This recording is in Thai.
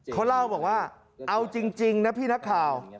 เขาเล่าบอกว่าเอาจริงนะพี่นักข่าว